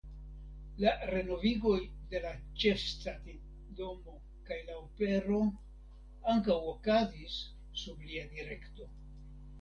La renovigoj de la ĉefstacidomo kaj la opero ankaŭ okazis sub lia direkto.